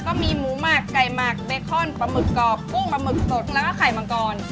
ก็มีหมูหมักไก่หมักเบคอนปลาหมึกกรอบกุ้งปลาหมึกสดแล้วก็ไข่มังกร